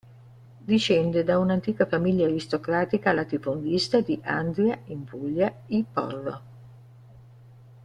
Discende da un'antica famiglia aristocratica latifondista di Andria, in Puglia, i Porro.